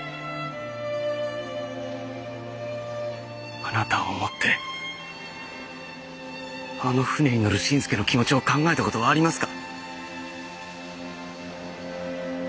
あなたを思ってあの船に乗る新助の気持ちを考えたことがありますか？